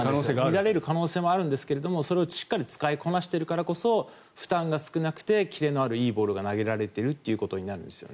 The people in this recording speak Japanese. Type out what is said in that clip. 乱れる可能性があるんですがそれをしっかり使いこなしているからこそ負担が少なくてキレのあるいいボールが投げられてるってことになります。